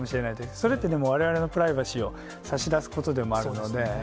それって、われわれのプライバシーを差し出すことでもあるので。